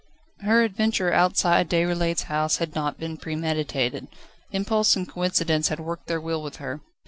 Her adventure outside Déroulède's house had not been premeditated. Impulse and coincidence had worked their will with her.